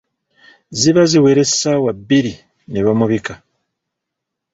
Ziba ziwera essaawa bbiri ne bamubika.